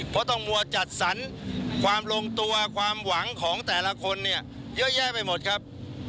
เพราะต้องมัวจัดสรรความลงตัวความหวังของแต่ละคนเนี่ยเยอะแยะไปหมดครับ